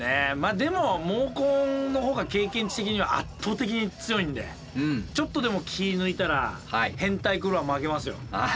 でもモーコンのほうが経験値的には圧倒的に強いんでちょっとでも気ぃ抜いたらヘンタイクルーは負けますよ。